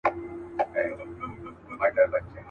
هغه سنګین، هغه سرکښه د سیالیو وطن.